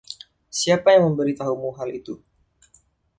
Siapa yang memberitahumu hal itu?